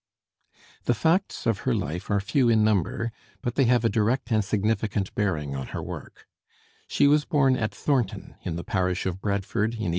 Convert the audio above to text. [Illustration: Charlotte Bronté] The facts of her life are few in number, but they have a direct and significant bearing on her work. She was born at Thornton, in the parish of Bradford, in 1816.